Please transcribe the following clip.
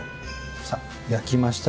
さあ焼きましたら。